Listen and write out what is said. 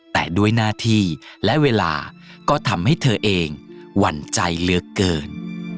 แต่ด้วยหน้าที่และเวลาก็ทำให้เธอเองหวั่นใจเหลือเกิน